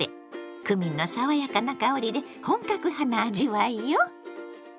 クミンの爽やかな香りで本格派な味わいよ。